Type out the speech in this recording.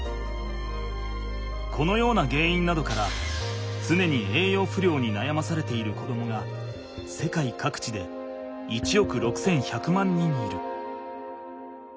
このようなげんいんなどからつねに栄養不良になやまされている子どもが世界各地で１億６，１００万人いる。